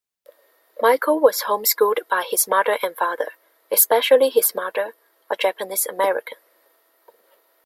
Michael was homeschooled by his mother and father, especially his mother, a Japanese American.